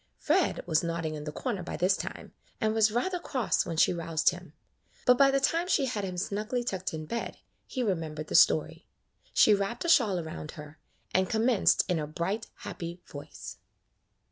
Fred was nodding in the corner by this time, and was rather cross when she roused him, but by the time she had him snugly tucked in bed he remembered the story. She wrapped a shawl around her, and commenced in a bright, happy voice.